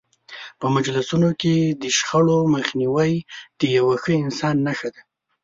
په مجلسونو کې د شخړو مخنیوی د یو ښه انسان نښه ده.